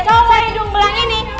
cowok hidung belang ini